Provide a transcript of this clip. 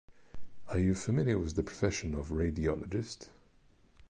Are you familiar with the profession of radiologist?